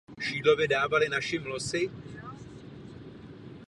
Prochází župami Vas a Zala.